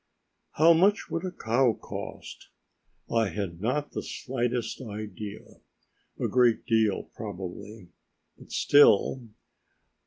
How much would a cow cost? I had not the slightest idea; a great deal probably, but still....